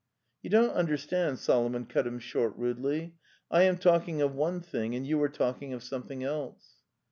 "You don't understand,' Solomon cut him short rudely. "I am talking of one thing and you are talking of something else.